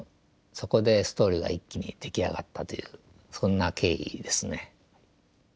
そこでストーリーが一気に出来上がったというそんな経緯ですね。